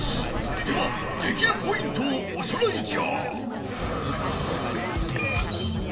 ではできるポイントをおさらいじゃ！